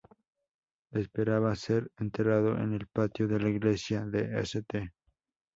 Esperaba ser enterrado en el patio de la iglesia de St.